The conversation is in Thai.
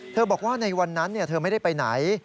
บอกว่าในวันนั้นเธอไม่ได้ไปไหน